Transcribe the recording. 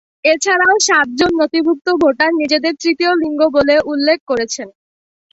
এছাড়াও সাতজন নথিভূক্ত ভোটার নিজেদের তৃতীয় লিঙ্গ বলে উল্লেখ করেছেন।